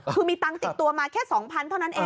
คือมีตังค์ติดตัวมาแค่๒๐๐เท่านั้นเอง